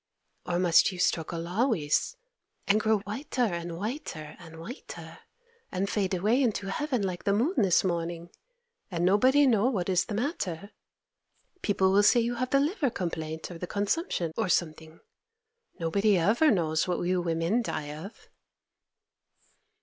Or must you struggle always, and grow whiter and whiter and whiter, and fade away into heaven like the moon this morning, and nobody know what is the matter? People will say you have the liver complaint, or the consumption, or something. Nobody ever knows what we women die of.